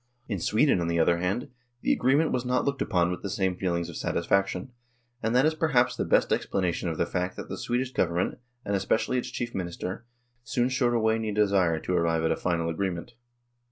In Sweden, on the other hand, the agreement was not looked upon with the same feelings of satisfaction, and that is perhaps the best explanation of the fact that the Swedish Government, and especially its chief minister, soon showed a waning desire to arrive at a final agreement.